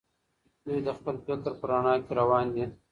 دوی د خپل فکر په رڼا کي روان دي.